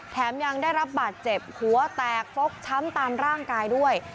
แถมยังได้รับบาดเจ็บหัวแตกฟกช้ำตามร่างกายด้วย